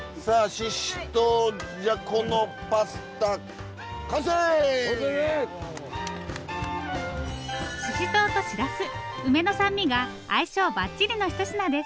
ししとうとしらす梅の酸味が相性ばっちりのひと品です。